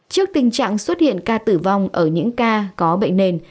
trước tình trạng xuất hiện ca tử vong ở những ca có bệnh nền